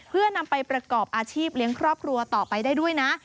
เพื่อนำไปประกอบอาชีพเลี้ยงครอบครัวต่อไปได้ด้วยนะ